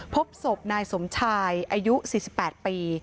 พบศพนายสมชายอายุ๔๘ปี